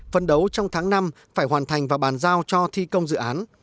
phân đấu trong tháng năm phải hoàn thành và bàn giao cho thi công dự án